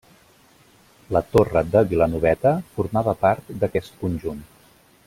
La torre de Vilanoveta formava part d'aquest conjunt.